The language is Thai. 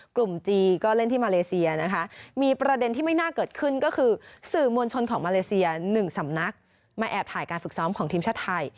จีก็เล่นที่มาเลเซียนะคะมีประเด็นที่ไม่น่าเกิดขึ้นก็คือสื่อมวลชนของมาเลเซีย๑สำนักมาแอบถ่ายการฝึกซ้อมของทีมชาติไทย